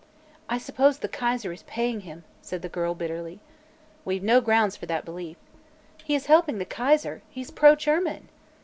"I suppose the Kaiser is paying him," said the girl, bitterly. "We've no grounds for that belief." "He is helping the Kaiser; he is pro German!"